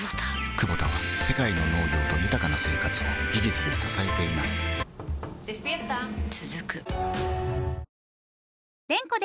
クボタは世界の農業と豊かな生活を技術で支えています起きて。